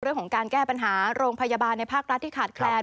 เรื่องของการแก้ปัญหาโรงพยาบาลในภาครัฐที่ขาดแคลน